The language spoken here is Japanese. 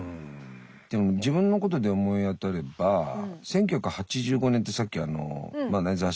でも自分のことで思い当たれば１９８５年ってさっき雑誌か何かの。